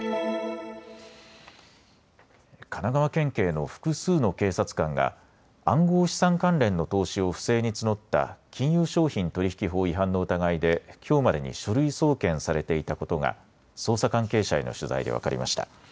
神奈川県警の複数の警察官が暗号資産関連の投資を不正に募った金融商品取引法違反の疑いできょうまでに書類送検されていたことが捜査関係者への取材で分かりました。